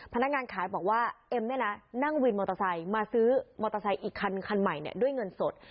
พนักงานขายบอกว่าเอ็มเนี่ยนะนั่งวินมอเตอร์ไซค์มาซื้อมอเตอร์ไซค์อีกคันใหม่ด้วยเงินสด